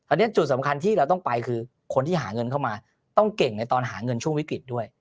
อันนี้จุดสำคัญที่เราต้องไปคือคนที่หาเงินเข้ามาต้องเก่งในตอนหาเงินช่วงวิกฤตด้วย